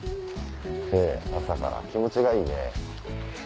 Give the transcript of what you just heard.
ええ朝から気持ちがいいね。